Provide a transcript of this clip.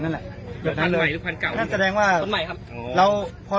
ทั้งสี่คนได้ยินแล้วฉันได้ยินแล้วหยุดไฟไว้